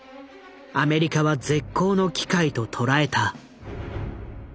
アメリカは絶好の機会と捉えた。